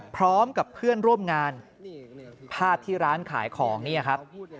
พร้อมกับเพื่อนร่วมงานภาพที่ร้านขายของเนี่ยครับ